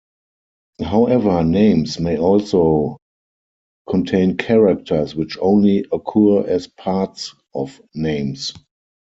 However, names may also contain characters which only occur as parts of names.